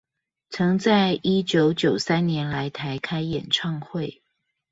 曾在一九九三年來台開演唱會